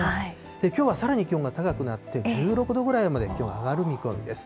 きょうはさらに気温が高くなって１６度ぐらいまで気温上がる見込みです。